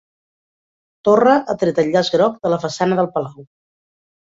Torra ha tret el llaç groc de la façana del palau